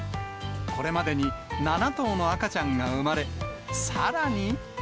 これまでに７頭の赤ちゃんが産まれ、さらに。